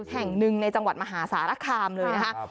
แห่งหนึ่งในจังหวัดมหาสารคามเลยนะคะ